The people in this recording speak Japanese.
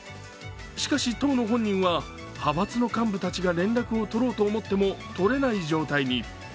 しかし当の本人は派閥の幹部たちが連絡を取ろうと思っても取れない状態に。